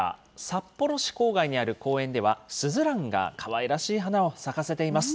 札幌市郊外にある公園では、スズランがかわいらしい花を咲かせています。